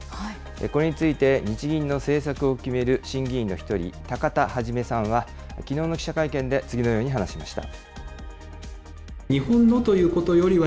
これについて日銀の政策を決める審議委員の１人、高田創さんは、きのうの記者会見で次のように話しました。